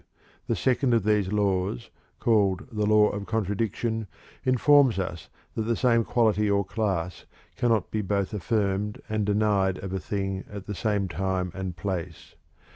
The second of these laws, called "The Law of Contradiction," informs us that the same quality or class cannot be both affirmed and denied of a thing at the same time and place.